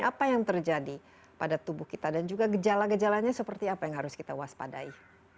apa yang terjadi pada tubuh kita dan juga gejala gejalanya seperti apa yang harus kita waspadai